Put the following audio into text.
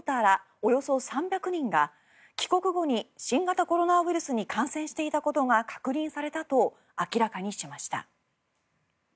およそ３００人が帰国後に新型コロナウイルスに感染していたことが確認されたと明らかにしました。